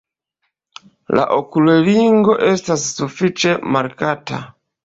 La okulringo estas sufiĉe markata.